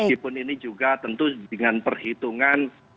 meskipun ini juga tentu dengan perhitungan